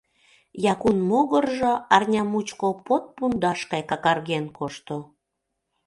Якун могыржо арня мучко под пундаш гай какарген кошто.